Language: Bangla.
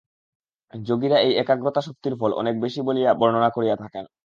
যোগীরা এই একাগ্রতা-শক্তির ফল অনেক বেশী বলিয়া বর্ণনা করিয়া থাকেন।